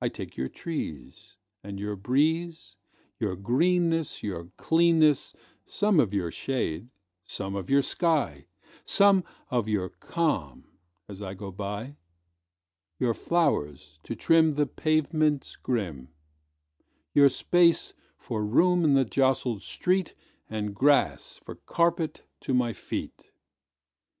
I take your trees, And your breeze, Your greenness, Your cleanness, Some of your shade, some of your sky, Some of your calm as I go by; Your flowers to trimThe pavements grim; Your space for room in the jostled streetAnd grass for carpet to my feet.